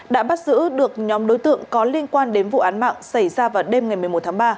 đã bắt giữ được nhóm đối tượng có liên quan đến vụ án mạng xảy ra vào đêm ngày một mươi một tháng ba